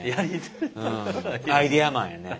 うんアイデアマンやね。